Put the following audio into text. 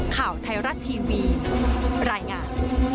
ข่าวไทยรัฐทีวีรายงาน